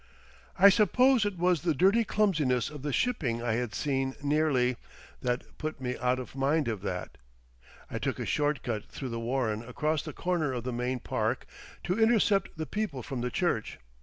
I suppose it was the dirty clumsiness of the shipping I had seen nearly, that put me out of mind of that. I took a short cut through the Warren across the corner of the main park to intercept the people from the church.